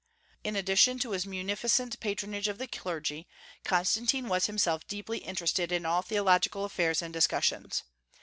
In addition to his munificent patronage of the clergy, Constantine was himself deeply interested in all theological affairs and discussions.